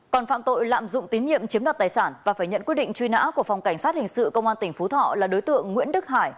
còn phạm tội lạm dụng tín nhiệm chiếm đoạt tài sản và phải nhận quyết định truy nã của phòng cảnh sát hình sự công an tỉnh phú thọ là đối tượng nguyễn đức hải